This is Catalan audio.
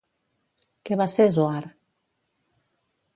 Que va ser Zoar?